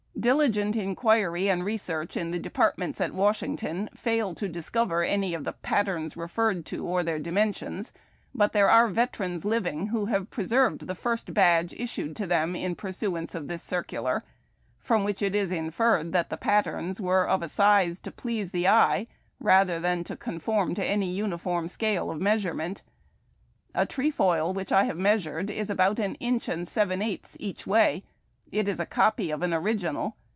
Diligent inquiry and research in the depart ments at Washington fail to discover any of the jjatterns referred to, or their dimensions ; but there are veterans living who have preserved the first badge issued to them in pursuance of this circular, from which it is inferred that the patterns were of a size to please the eye rather than to con form to any uniform scale of measurement. A trefoil which I have measured is about an inch and seven eighths each way. It is a copy of an original.